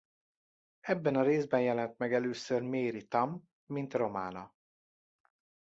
Ebben a részben jelent meg először Mary Tamm mint Romana.